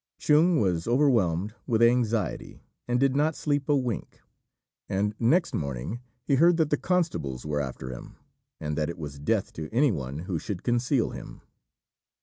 Chung was overwhelmed with anxiety, and did not sleep a wink; and next morning he heard that the constables were after him, and that it was death to any one who should conceal him.